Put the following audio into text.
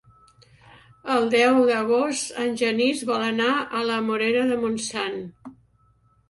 El deu d'agost en Genís vol anar a la Morera de Montsant.